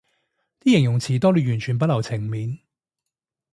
啲形容詞多到完全不留情面